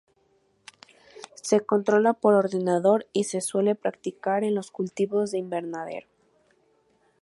Se controla por ordenador y se suele practicar en los cultivos de invernadero.